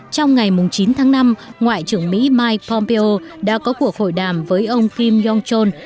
trong ngày chín tháng năm ngoại trưởng mỹ mike pompeo đã có cuộc hội đàm với ông kim jong chol